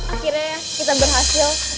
akhirnya ya kita berhasil